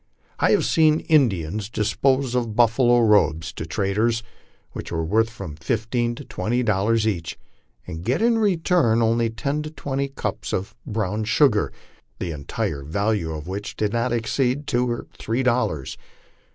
I have seen Indians dispose of buffalo robes to traders, which were worth from fifteen to twenty dol lars each, and get in return only ten to twenty cups of brown sugar, the en tire value of which did not exceed two or three dollars.